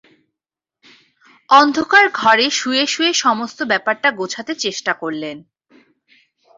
অন্ধকার ঘরে শুয়ে শুয়ে সমস্ত ব্যাপারটা গোছাতে চেষ্টা করলেন।